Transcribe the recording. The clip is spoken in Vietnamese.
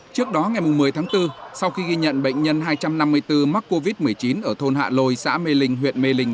trước đó ngày một mươi tháng bốn sau khi ghi nhận bệnh nhân hai trăm năm mươi bốn mắc covid một mươi chín ở thôn hạ lôi xã mê linh huyện mê linh